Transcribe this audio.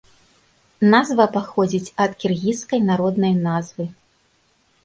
Назва паходзіць ад кіргізскай народнай назвы.